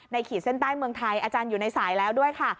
ขีดเส้นใต้เมืองไทยอาจารย์อยู่ในสายแล้วด้วยค่ะ